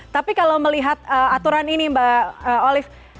tapi kalau melihat aturan ini mbak olive